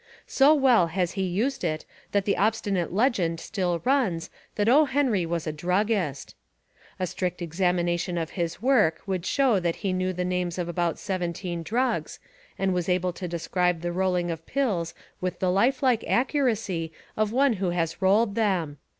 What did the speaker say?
So well has he used it that the obsti nate legend still runs that O. Henry was a drug gist. A strict examination of his work would show that he knew the names of about seventeen drugs and was able to describe the roUing of 242 The Amazing Genius of O. Henry pills with the life like accuracy of one who has rolled them.